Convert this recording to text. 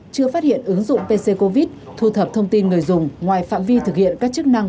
chưa phát hiện ứng dụng pc covid thu thập thông tin người dùng ngoài phạm vi thực hiện các chức năng